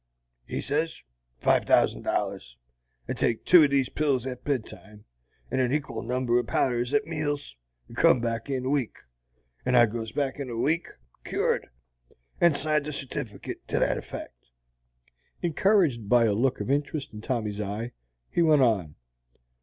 He sez, 'Five thousand dollars, and take two o' these pills at bedtime, and an ekil number o' powders at meals, and come back in a week.' And I goes back in a week, cured, and signs a certifikit to that effect." Encouraged by a look of interest in Tommy's eye, he went on.